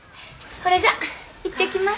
ほれじゃ行ってきます。